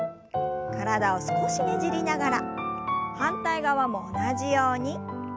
体を少しねじりながら反対側も同じように。